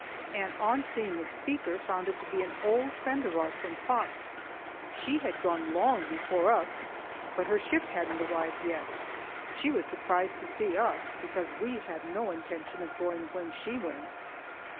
and, on seeing the speaker, found it to be an old friend of ours from Plotzk. She had gone long before us, but her ship hadn't arrived yet. She was surprised to see us because we had had no intention of going when she went.